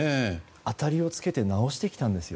あたりをつけて直してきたんですよ。